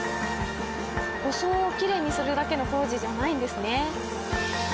装をきれいにするだけの工事じゃないんですね。